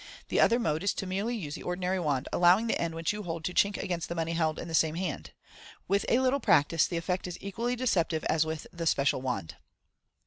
The other mode is to use merely the ordinary wand, allowing the end which you hold to chink against the money held in the same hand. With a little prac tice the effect is equally deceptive as with the special wand.